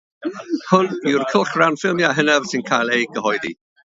Hwn yw'r cylchgrawn ffilmiau hynaf sy'n cael ei gyhoeddi.